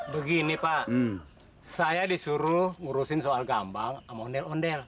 begini pak saya disuruh ngurusin soal gambang sama ondel ondel